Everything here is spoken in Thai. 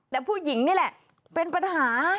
แต่ผู้หญิงนี่แหละเป็นปัญหา